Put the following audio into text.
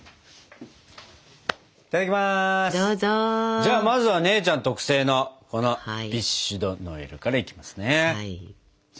じゃあまずは姉ちゃん特製のこのビッシュ・ド・ノエルからいきますね。